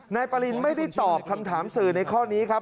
นายปรินไม่ได้ตอบคำถามสื่อในข้อนี้ครับ